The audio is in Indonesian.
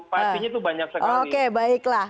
paktinya itu banyak sekali oke baiklah